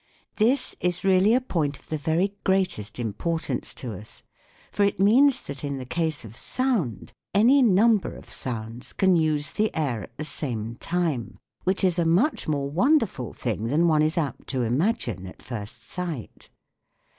This is really a point of the very greatest importance to us, for it means that in the case of sound any number of sounds can use the air at the same time, which is a much more wonderful thing than one is apt to imagine at first sight.